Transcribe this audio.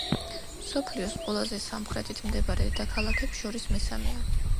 მსოფლიოს ყველაზე სამხრეთით მდებარე დედაქალაქებს შორის მესამეა.